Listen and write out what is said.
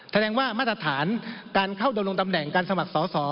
แสดงว่ามาตรฐานการเข้าดำรงตำแหน่งการสมัครสอสอ